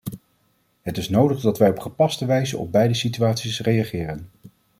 Het is nodig dat wij op gepaste wijze op beide situaties reageren.